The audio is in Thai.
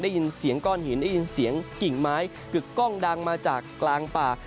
ได้ยินเสียงก้อนหินได้ยินเสียงกิ่งไม้กึกกล้องดังมาจากกลางป่า